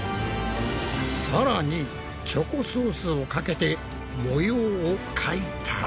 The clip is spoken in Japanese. さらにチョコソースをかけて模様を描いたら。